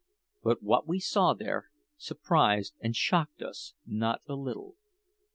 But what we saw there surprised and shocked us not a little.